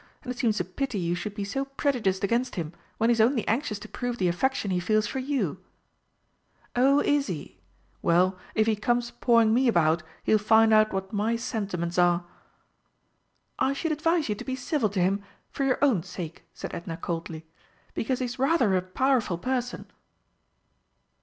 And it seems a pity you should be so prejudiced against him when he is only anxious to prove the affection he feels for you!" "Oh, is he? Well, if he comes pawing me about, he'll find out what my sentiments are!" "I should advise you to be civil to him for your own sake," said Edna coldly, "because he's rather a powerful person."